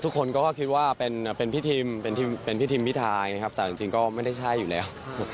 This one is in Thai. ทุกคนก็คิดว่าเป็นพี่ทิมพี่ทาแต่จริงก็ไม่ได้ใช่อยู่แล้ว